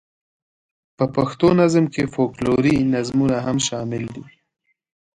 په پښتو نظم کې فوکلوري نظمونه هم شامل دي.